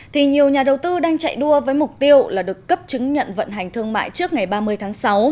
thì nhiều nhà đầu tư đang chạy đua với mục tiêu là được cấp chứng nhận vận hành thương mại trước ngày ba mươi tháng sáu